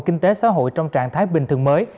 kinh tế xã hội trong trạng thái bình thường mới